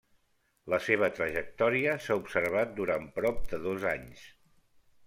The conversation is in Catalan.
La seva trajectòria s'ha observat durant prop de dos anys.